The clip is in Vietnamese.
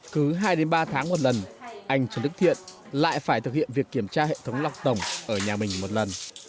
cứ hai ba tháng một lần anh trần đức thiện lại phải thực hiện việc kiểm tra hệ thống lọc tổng ở nhà mình một lần